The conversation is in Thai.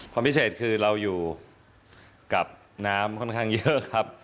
พิเศษคือเราอยู่กับน้ำค่อนข้างเยอะครับ